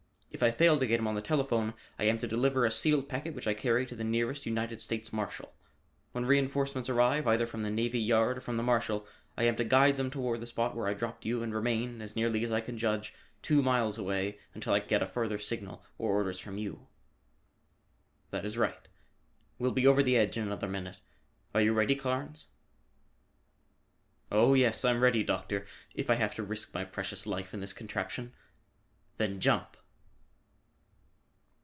If I fail to get him on the telephone, I am to deliver a sealed packet which I carry to the nearest United States Marshal. When reenforcements arrive, either from the Navy Yard or from the Marshal, I am to guide them toward the spot where I dropped you and remain, as nearly as I can judge, two miles away until I get a further signal or orders from you." "That is right. We'll be over the edge in another minute. Are you ready, Carnes?" "Oh, yes, I'm ready, Doctor, if I have to risk my precious life in this contraption." "Then jump!"